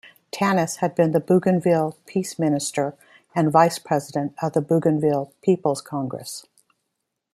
Tanis had been the Bougainville Peace Minister and vice-president of the Bougainville People's Congress.